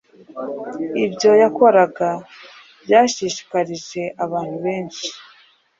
Ibyo yakoraga byashishikarije abantu benshi